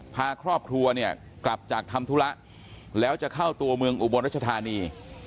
พาครอบครัวเนี่ยกลับจากทำธุระแล้วจะเข้าตัวเมืองอุบลรัชธานี